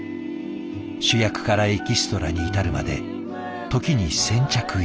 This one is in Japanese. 主役からエキストラに至るまで時に１，０００着以上。